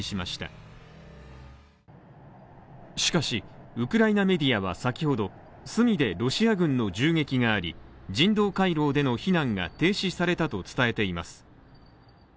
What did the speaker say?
しかし、ウクライナメディアは先ほどスミでロシア軍の銃撃があり人道回廊での避難が停止されたと伝えています